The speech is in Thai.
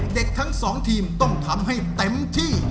เด็กทั้งสองทีมต้องทำให้เต็มที่